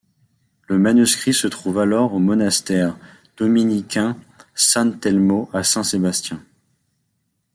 Le manuscrit se trouve alors au monastère dominicain San Telmo à Saint-Sébastien.